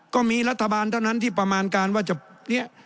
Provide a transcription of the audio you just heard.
ก็มีรัฐบาลเท่านั้นที่ประมาณการว่าจะเนี่ย